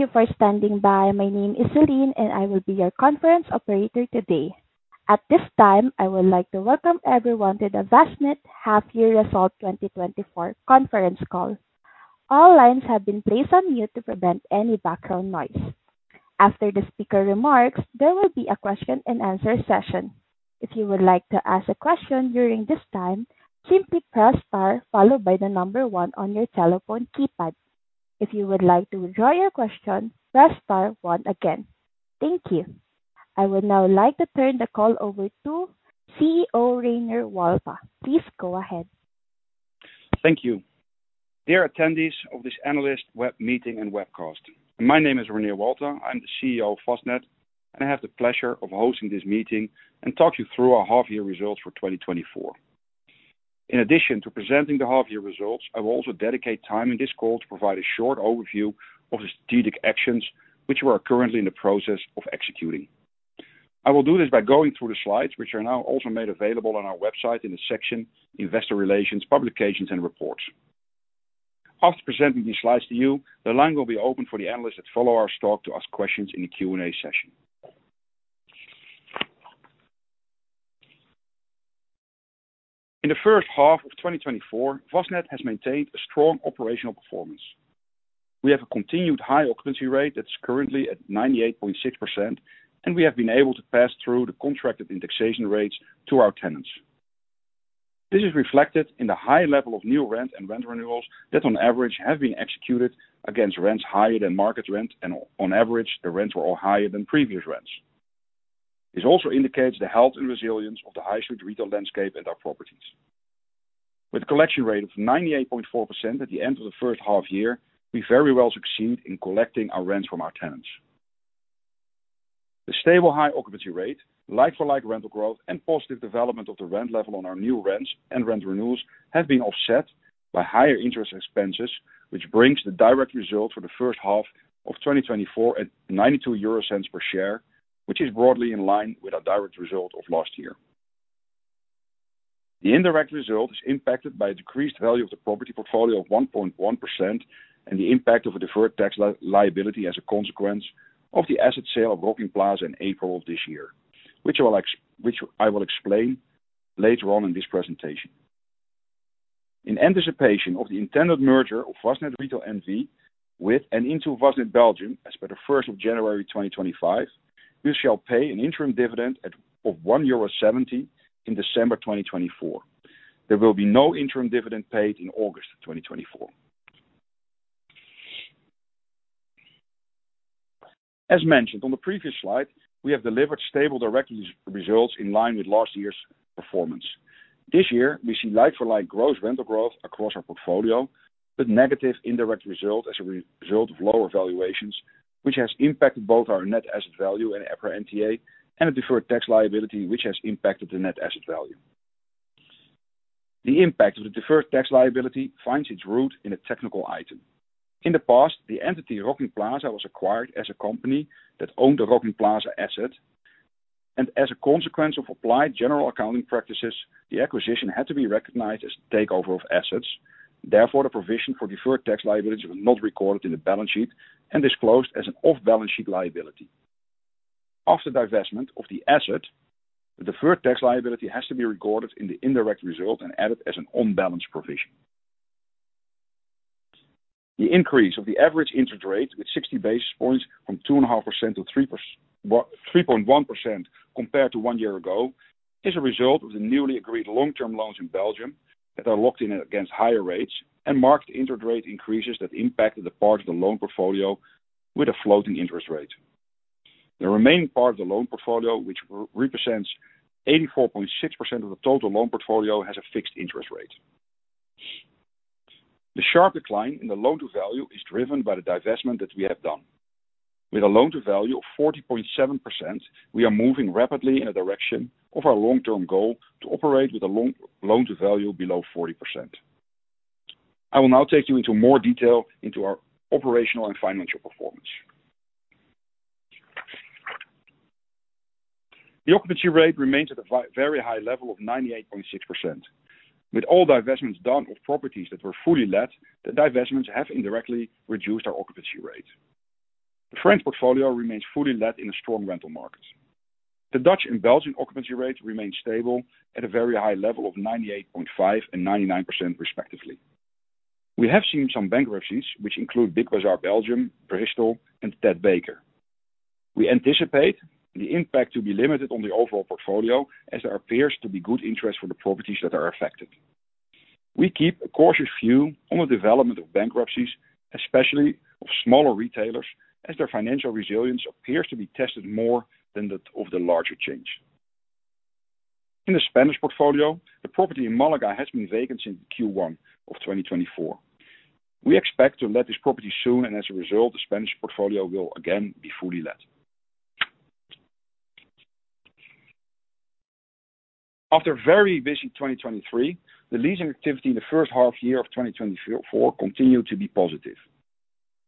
Thank you for standing by. My name is Celine, and I will be your conference operator today. At this time, I would like to welcome everyone to the Vastned Half Year Result 2024 conference call. All lines have been placed on mute to prevent any background noise. After the speaker remarks, there will be a question and answer session. If you would like to ask a question during this time, simply press star followed by the number 1 on your telephone keypad. If you would like to withdraw your question, press star 1 again. Thank you. I would now like to turn the call over to CEO, Reinier Walta. Please go ahead. Thank you. Dear attendees of this analyst web meeting and webcast. My name is Reinier Walta. I am the CEO of Vastned, and I have the pleasure of hosting this meeting and talk you through our half-year results for 2024. In addition to presenting the half-year results, I will also dedicate time in this call to provide a short overview of the strategic actions which we are currently in the process of executing. I will do this by going through the slides, which are now also made available on our website in the section Investor Relations, Publications, and Reports. After presenting these slides to you, the line will be open for the analysts that follow our stock to ask questions in the Q&A session. In the first half of 2024, Vastned has maintained a strong operational performance. We have a continued high occupancy rate that is currently at 98.6%, and we have been able to pass through the contracted indexation rates to our tenants. This is reflected in the high level of new rent and rent renewals that on average, have been executed against rents higher than market rent, and on average, the rents were all higher than previous rents. This also indicates the health and resilience of the high street retail landscape and our properties. With a collection rate of 98.4% at the end of the first half-year, we very well succeed in collecting our rents from our tenants. The stable high occupancy rate, like-for-like rental growth, and positive development of the rent level on our new rents and rent renewals have been offset by higher interest expenses, which brings the direct result for the first half of 2024 at 0.92 per share, which is broadly in line with our direct result of last year. The indirect result is impacted by a decreased value of the property portfolio of 1.1% and the impact of a deferred tax liability as a consequence of the asset sale of Rokin Plaza in April of this year, which I will explain later on in this presentation. In anticipation of the intended merger of Vastned Retail N.V. with and into Vastned Belgium, as per the 1st of January 2025, we shall pay an interim dividend of 1.70 euro in December 2024. There will be no interim dividend paid in August 2024. As mentioned on the previous slide, we have delivered stable direct results in line with last year's performance. This year, we see like-for-like gross rental growth across our portfolio, with negative indirect result as a result of lower valuations, which has impacted both our net asset value and EPRA NTA, and a deferred tax liability, which has impacted the net asset value. The impact of the deferred tax liability finds its root in a technical item. In the past, the entity Rokin Plaza was acquired as a company that owned the Rokin Plaza asset, and as a consequence of applied general accounting practices, the acquisition had to be recognized as the takeover of assets. Therefore, the provision for deferred tax liability was not recorded in the balance sheet and disclosed as an off-balance-sheet liability. After divestment of the asset, the deferred tax liability has to be recorded in the indirect result and added as an on-balance provision. The increase of the average interest rate with 60 basis points from 2.5% to 3.1% compared to one year ago, is a result of the newly agreed long-term loans in Belgium that are locked in against higher rates and marked interest rate increases that impacted the part of the loan portfolio with a floating interest rate. The remaining part of the loan portfolio, which represents 84.6% of the total loan portfolio, has a fixed interest rate. The sharp decline in the loan-to-value is driven by the divestment that we have done. With a loan-to-value of 40.7%, we are moving rapidly in the direction of our long-term goal to operate with a loan-to-value below 40%. I will now take you into more detail into our operational and financial performance. The occupancy rate remains at a very high level of 98.6%. With all divestments done of properties that were fully let, the divestments have indirectly reduced our occupancy rate. The French portfolio remains fully let in a strong rental market. The Dutch and Belgian occupancy rates remain stable at a very high level of 98.5% and 99% respectively. We have seen some bankruptcies, which include Big Bazar Belgium, Bristol, and Ted Baker. We anticipate the impact to be limited on the overall portfolio as there appears to be good interest for the properties that are affected. We keep a cautious view on the development of bankruptcies, especially of smaller retailers, as their financial resilience appears to be tested more than that of the larger chains. In the Spanish portfolio, the property in Malaga has been vacant since Q1 of 2024. We expect to let this property soon, and as a result, the Spanish portfolio will again be fully let. After a very busy 2023, the leasing activity in the first half year of 2024 continued to be positive.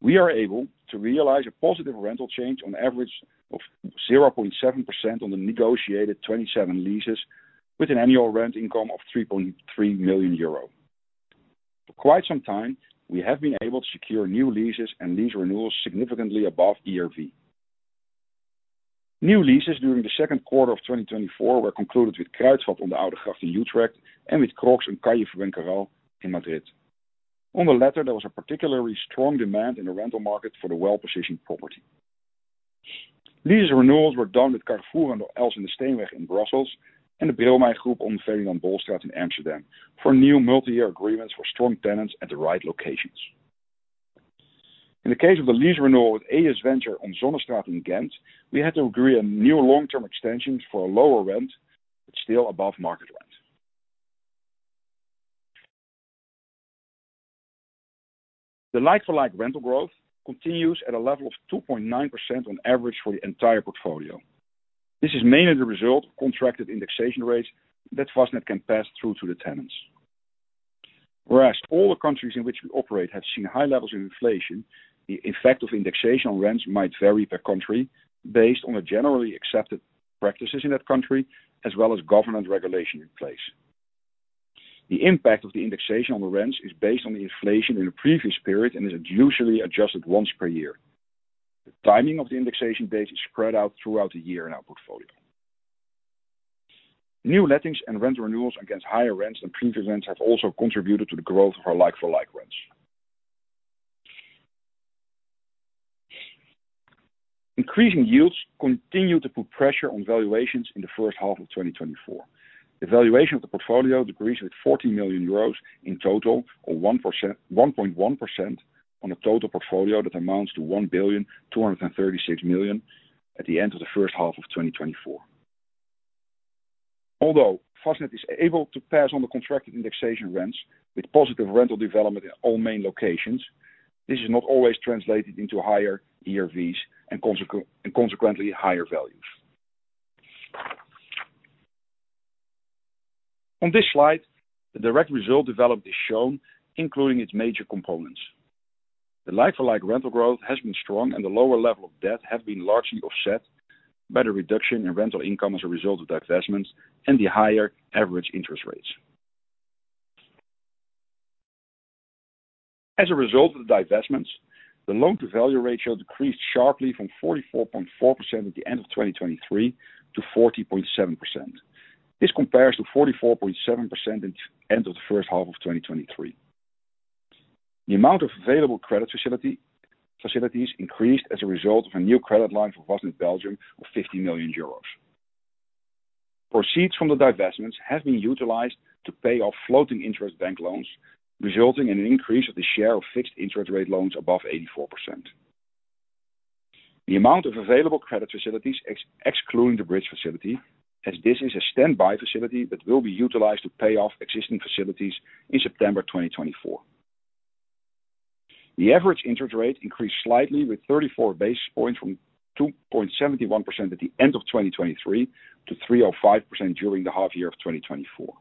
We are able to realize a positive rental change on average 0.7% on the negotiated 27 leases with an annual rent income of 3.3 million euro. For quite some time, we have been able to secure new leases and lease renewals significantly above ERV. New leases during the second quarter of 2024 were concluded with Kruidvat on the Oude Gracht in Utrecht, and with Crocs on Calle Fuencarral in Madrid. On the latter, there was a particularly strong demand in the rental market for the well-positioned property. Lease renewals were done with Carrefour on the Elsensesteenweg in Brussels and the Bredemeijer Group on the Ferdinand Bolstraat in Amsterdam for new multi-year agreements for strong tenants at the right locations. In the case of the lease renewal with A.S.Adventure on Zonnestraat in Ghent, we had to agree on new long-term extensions for a lower rent, but still above market rent. The like-for-like rental growth continues at a level of 2.9% on average for the entire portfolio. This is mainly the result of contracted indexation rates that Vastned can pass through to the tenants. All the countries in which we operate have seen high levels of inflation, the effect of indexation on rents might vary per country based on the generally accepted practices in that country, as well as government regulation in place. The impact of the indexation on the rents is based on the inflation in the previous period and is usually adjusted once per year. The timing of the indexation date is spread out throughout the year in our portfolio. New lettings and rent renewals against higher rents than previous rents have also contributed to the growth of our like-for-like rents. Increasing yields continue to put pressure on valuations in the first half of 2024. The valuation of the portfolio decreased with 14 million euros in total, or 1.1% on a total portfolio that amounts to 1,236,000,000 at the end of the first half of 2024. Although Vastned is able to pass on the contracted indexation rents with positive rental development in all main locations, this is not always translated into higher ERVs and consequently, higher values. On this slide, the direct result developed is shown, including its major components. The like-for-like rental growth has been strong and the lower level of debt has been largely offset by the reduction in rental income as a result of divestments and the higher average interest rates. As a result of the divestments, the loan-to-value ratio decreased sharply from 44.4% at the end of 2023 to 40.7%. This compares to 44.7% at end of the first half of 2023. The amount of available credit facilities increased as a result of a new credit line for Vastned Belgium of 50 million euros. Proceeds from the divestments have been utilized to pay off floating interest bank loans, resulting in an increase of the share of fixed interest rate loans above 84%. The amount of available credit facilities, excluding the bridge facility, as this is a standby facility that will be utilized to pay off existing facilities in September 2024. The average interest rate increased slightly with 34 basis points from 2.71% at the end of 2023 to 3.05% during the half year of 2024.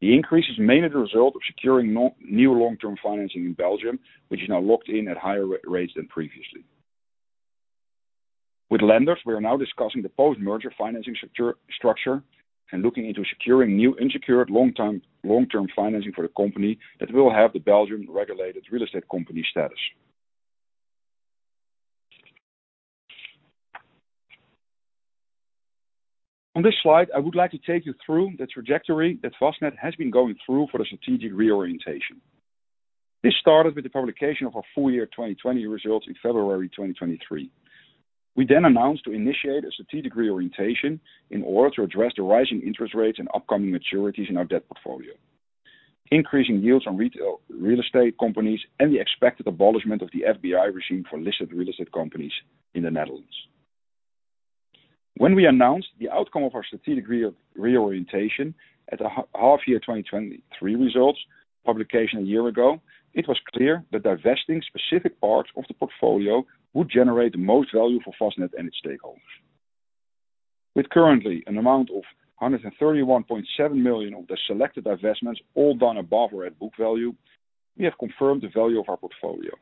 The increase is mainly the result of securing new long-term financing in Belgium, which is now locked in at higher rates than previously. With lenders, we are now discussing the post-merger financing structure and looking into securing new unsecured long-term financing for a company that will have the Belgium regulated real estate company status. On this slide, I would like to take you through the trajectory that Vastned has been going through for the strategic reorientation. This started with the publication of our full year 2020 results in February 2023. We then announced to initiate a strategic reorientation in order to address the rising interest rates and upcoming maturities in our debt portfolio. Increasing yields on real estate companies and the expected abolishment of the FBI regime for listed real estate companies in the Netherlands. When we announced the outcome of our strategic reorientation at the half year 2023 results publication a year ago, it was clear that divesting specific parts of the portfolio would generate the most value for Vastned and its stakeholders. With currently an amount of 131.7 million of the selected divestments all done above or at book value, we have confirmed the value of our portfolio.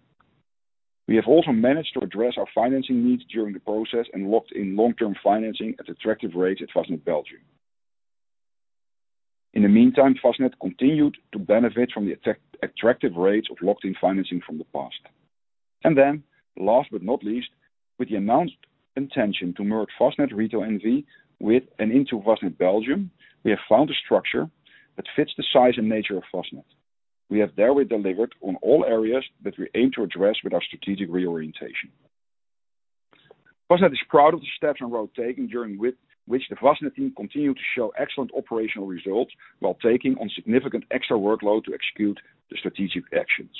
We have also managed to address our financing needs during the process and locked in long-term financing at attractive rates at Vastned Belgium. In the meantime, Vastned continued to benefit from the attractive rates of locked-in financing from the past. Last but not least, with the announced intention to merge Vastned Retail NV with and into Vastned Belgium, we have found a structure that fits the size and nature of Vastned. We have thereby delivered on all areas that we aim to address with our strategic reorientation. Vastned is proud of the steps and road taken during which the Vastned team continued to show excellent operational results while taking on significant extra workload to execute the strategic actions.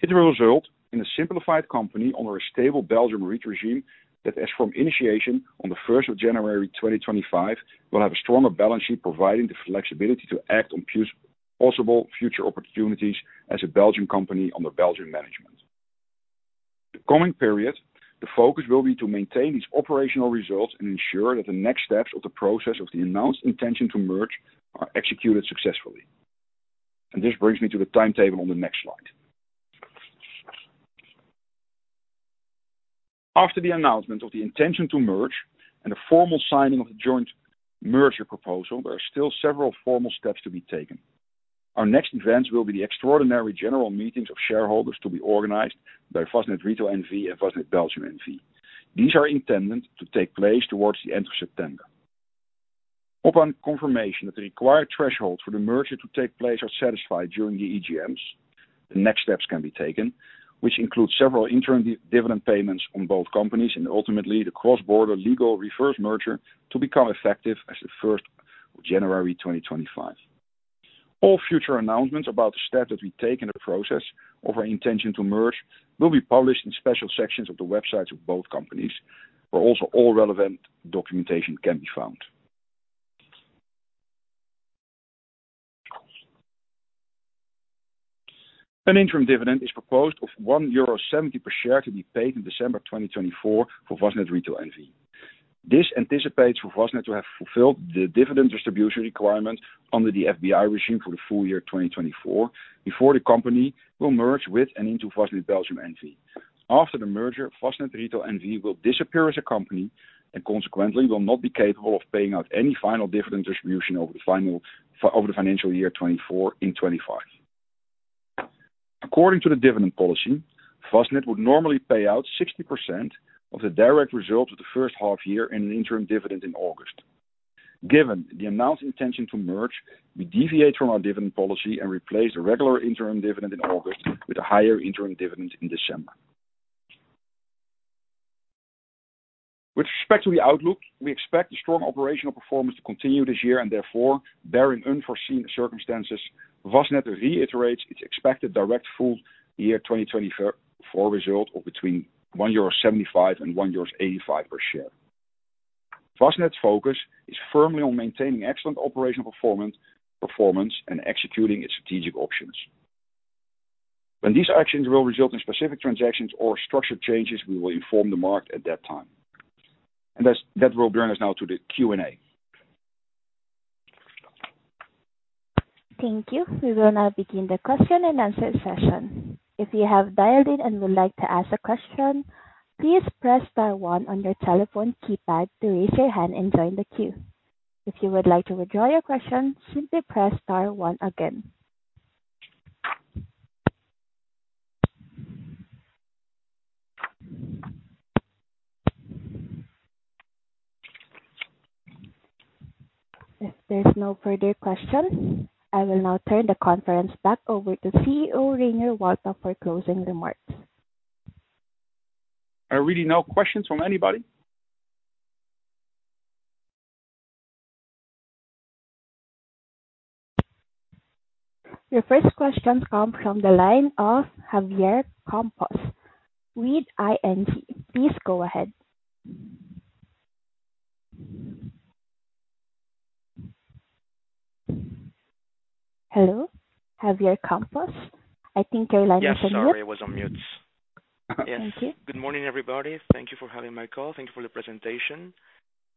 It will result in a simplified company under a stable Belgium REIT regime that, as from initiation on the 1st of January 2025, will have a stronger balance sheet providing the flexibility to act on possible future opportunities as a Belgium company under Belgium management. In the coming period, the focus will be to maintain these operational results and ensure that the next steps of the process of the announced intention to merge are executed successfully. This brings me to the timetable on the next slide. After the announcement of the intention to merge and a formal signing of the joint merger proposal, there are still several formal steps to be taken. Our next events will be the extraordinary general meetings of shareholders to be organized by Vastned Retail NV and Vastned Belgium NV. These are intended to take place towards the end of September. Upon confirmation that the required thresholds for the merger to take place are satisfied during the EGMs, the next steps can be taken, which includes several interim dividend payments on both companies and ultimately the cross-border legal reverse merger to become effective as of 1st January 2025. All future announcements about the steps that we take in the process of our intention to merge will be published in special sections of the websites of both companies, where also all relevant documentation can be found. An interim dividend is proposed of 1.70 euro per share to be paid in December 2024 for Vastned Retail NV. This anticipates for Vastned to have fulfilled the dividend distribution requirement under the FBI regime for the full year 2024, before the company will merge with and into Vastned Belgium NV. After the merger, Vastned Retail NV will disappear as a company and consequently will not be capable of paying out any final dividend distribution over the financial year 2024 in 2025. According to the dividend policy, Vastned would normally pay out 60% of the direct results of the first half year in an interim dividend in August. Given the announced intention to merge, we deviate from our dividend policy and replace the regular interim dividend in August with a higher interim dividend in December. With respect to the outlook, we expect the strong operational performance to continue this year and therefore, barring unforeseen circumstances, Vastned reiterates its expected direct full year 2024 result of between €1.75 and €1.85 per share. Vastned's focus is firmly on maintaining excellent operational performance and executing its strategic options. When these actions will result in specific transactions or structure changes, we will inform the market at that time. That will bring us now to the Q&A. Thank you. We will now begin the question and answer session. If you have dialed in and would like to ask a question, please press star one on your telephone keypad to raise your hand and join the queue. If you would like to withdraw your question, simply press star one again. If there's no further questions, I will now turn the conference back over to CEO Reinier Walta for closing remarks. Are really no questions from anybody? Your first question comes from the line of Javier Campos with ING. Please go ahead. Hello, Javier Campos. I think your line is on mute. Yeah, sorry, I was on mute. Thank you. Good morning, everybody. Thank you for having my call. Thank you for the presentation.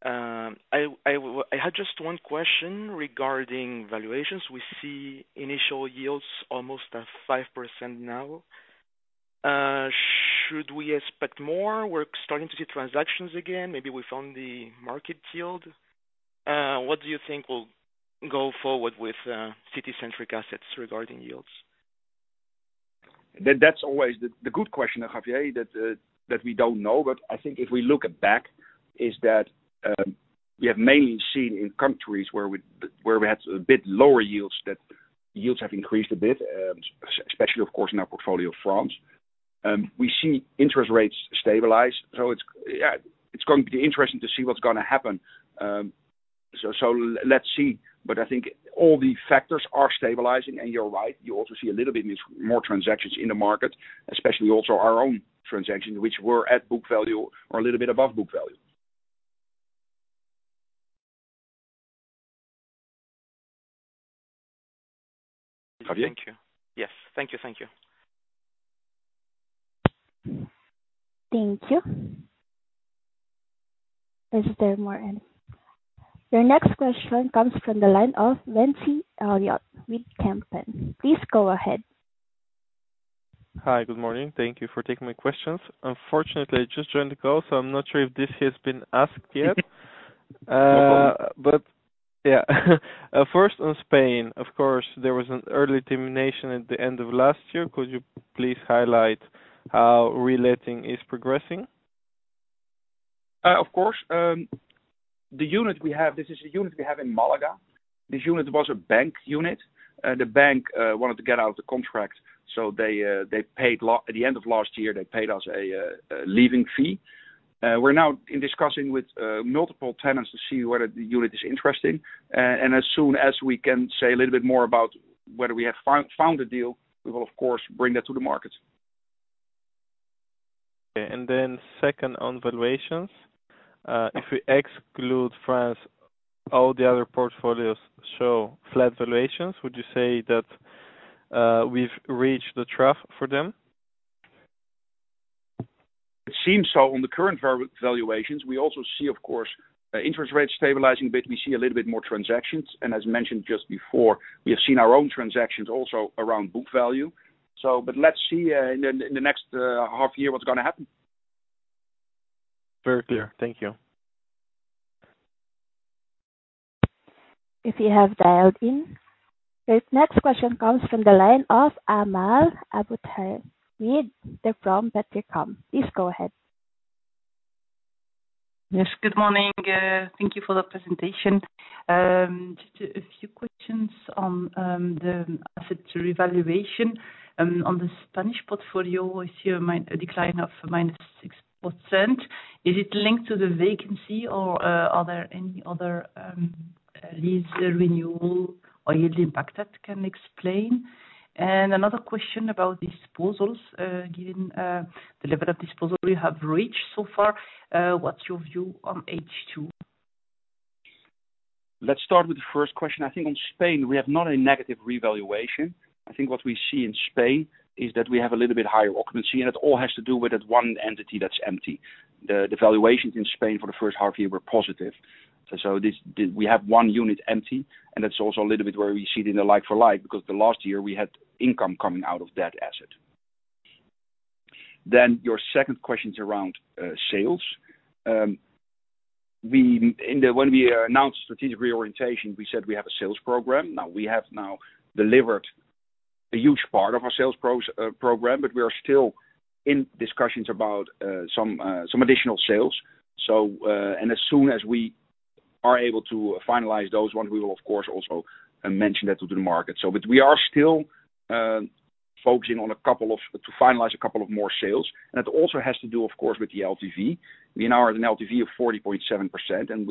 I had just one question regarding valuations. We see initial yields almost at 5% now. Should we expect more? We're starting to see transactions again, maybe we found the market yield. What do you think will go forward with city-centric assets regarding yields? That's always the good question, Javier, that we don't know. I think if we look back, is that we have mainly seen in countries where we had a bit lower yields, that yields have increased a bit, especially, of course, in our portfolio, France. We see interest rates stabilize. It's going to be interesting to see what's going to happen. Let's see. I think all the factors are stabilizing, and you're right. You also see a little bit more transactions in the market, especially also our own transactions, which were at book value or a little bit above book value. Javier? Thank you. Yes. Thank you. Thank you. Is there more? Your next question comes from the line of Ventsi Iliev with Kempen. Please go ahead. Hi. Good morning. Thank you for taking my questions. Unfortunately, I just joined the call, so I'm not sure if this has been asked yet. No problem. First on Spain, of course, there was an early termination at the end of last year. Could you please highlight how reletting is progressing? Of course. The unit we have, this is a unit we have in Malaga. This unit was a bank unit. The bank wanted to get out of the contract, at the end of last year, they paid us a leaving fee. We are now in discussion with multiple tenants to see whether the unit is interesting. As soon as we can say a little bit more about whether we have found a deal, we will, of course, bring that to the market. Okay. Second on valuations. If we exclude France, all the other portfolios show flat valuations. Would you say that we have reached the trough for them? It seems so on the current valuations. We also see, of course, interest rates stabilizing a bit. We see a little bit more transactions, as mentioned just before, we have seen our own transactions also around book value. Let us see in the next half year what is going to happen. Very clear. Thank you. If you have dialed in. This next question comes from the line of Amal Aboulkhouatem with Degroof Petercam. Please go ahead. Yes, good morning. Thank you for the presentation. Just a few questions on the asset revaluation. On the Spanish portfolio, we see a decline of minus 6%. Is it linked to the vacancy or are there any other lease renewal or yield impact that can explain? Another question about disposals. Given the level of disposal you have reached so far, what's your view on H2? Let's start with the first question. I think in Spain, we have not a negative revaluation. I think what we see in Spain is that we have a little bit higher occupancy, and it all has to do with that one entity that's empty. The valuations in Spain for the first half year were positive. We have one unit empty, and that's also a little bit where we see it in the like-for-like, because the last year we had income coming out of that asset. Your second question is around sales. When we announced strategic reorientation, we said we have a sales program. We have now delivered a huge part of our sales program, but we are still in discussions about some additional sales. As soon as we are able to finalize those ones, we will, of course, also mention that to the market. We are still focusing to finalize a couple of more sales. It also has to do, of course, with the LTV. We now have an LTV of 40.7%, and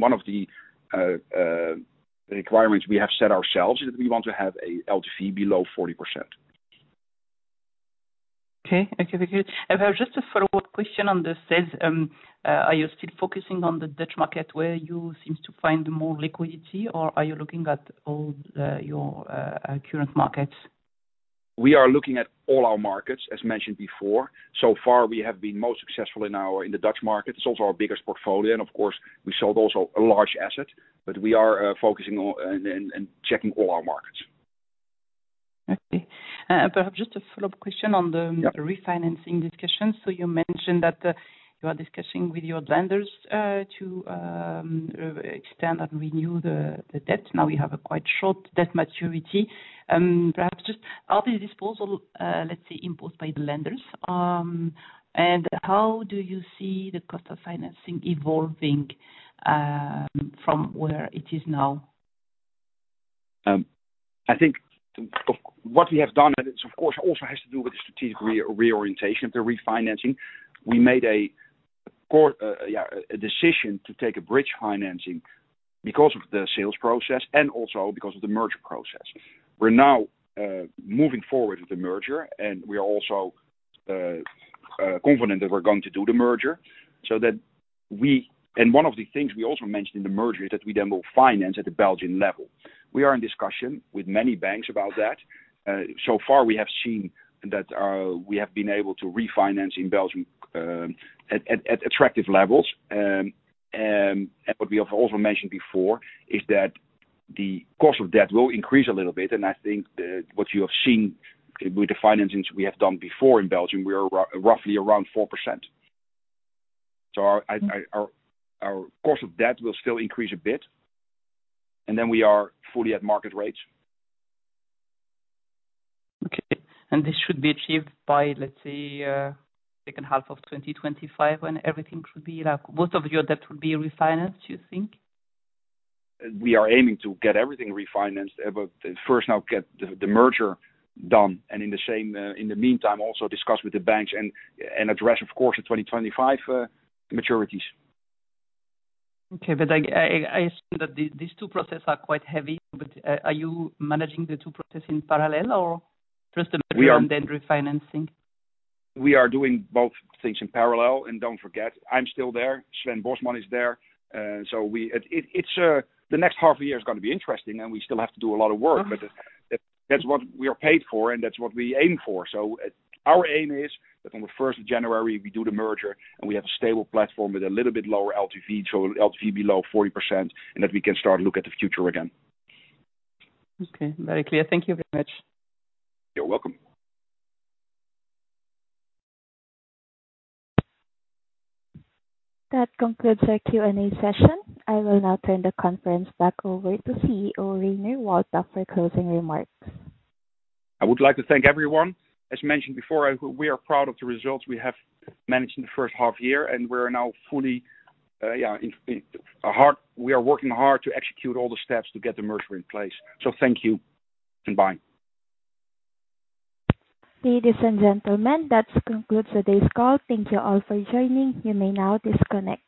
one of the requirements we have set ourselves is we want to have an LTV below 40%. Okay. Thank you. Perhaps just a follow-up question on the sales. Are you still focusing on the Dutch market where you seem to find more liquidity, or are you looking at all your current markets? We are looking at all our markets, as mentioned before. So far, we have been most successful in the Dutch market. It's also our biggest portfolio, and of course, we sold also a large asset, but we are focusing on and checking all our markets. Okay. Perhaps just a follow-up question on the. Yeah. refinancing discussion. You mentioned that you are discussing with your lenders to extend and renew the debt. You have a quite short debt maturity. Perhaps just are these disposal, let's say, imposed by the lenders? How do you see the cost of financing evolving from where it is now? I think what we have done, and it, of course, also has to do with the strategic reorientation of the refinancing. We made a decision to take a bridge financing because of the sales process and also because of the merger process. We're now moving forward with the merger. We are also confident that we're going to do the merger so that we. One of the things we also mentioned in the merger is that we then will finance at the Belgian level. We are in discussion with many banks about that. Far, we have seen that we have been able to refinance in Belgium at attractive levels. What we have also mentioned before is that the cost of debt will increase a little bit. I think that what you have seen with the financings we have done before in Belgium, we are roughly around 4%. Our cost of debt will still increase a bit. Then we are fully at market rates. Okay. This should be achieved by, let's say, second half of 2025 when everything should be like most of your debt will be refinanced, you think? We are aiming to get everything refinanced, first now get the merger done, and in the meantime, also discuss with the banks and address, of course, the 2025 maturities. Okay. I assume that these two processes are quite heavy, but are you managing the two processes in parallel or just the merger and then refinancing? We are doing both things in parallel. Don't forget, I'm still there. Sven Bosman is there. The next half a year is going to be interesting, and we still have to do a lot of work. That's what we are paid for and that's what we aim for. Our aim is that on the 1st of January, we do the merger and we have a stable platform with a little bit lower LTV, so LTV below 40%, and that we can start to look at the future again. Okay. Very clear. Thank you very much. You're welcome. That concludes our Q&A session. I will now turn the conference back over to CEO Reinier Walta for closing remarks. I would like to thank everyone. As mentioned before, we are proud of the results we have managed in the first half year, we are working hard to execute all the steps to get the merger in place. Thank you and bye. Ladies and gentlemen, that concludes today's call. Thank you all for joining. You may now disconnect.